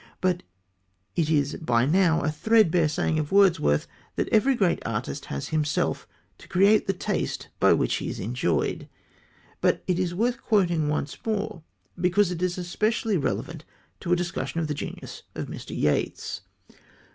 It is by now a threadbare saying of Wordsworth that every great artist has himself to create the taste by which he is enjoyed, but it is worth quoting once more because it is especially relevant to a discussion of the genius of Mr. Yeats.